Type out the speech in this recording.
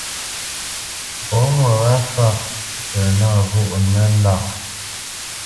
Fɔ ŋo wâ ŋkâʼ pə nâ ghóʼnənə́ lâʼ.